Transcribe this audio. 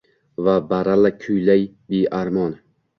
Va baralla kuylay bearmon